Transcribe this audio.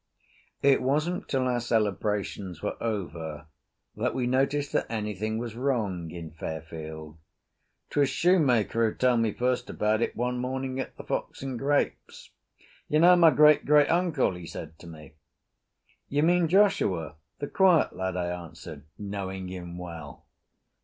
It wasn't till our celebrations were over that we noticed that anything was wrong in Fairfield. 'Twas shoemaker who told me first about it one morning at the "Fox and Grapes." "You know my great great uncle?" he said to me. "You mean Joshua, the quiet lad," I answered, knowing him well.